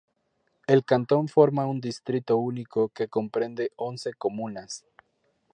El cantón forma un distrito único que comprende once comunas.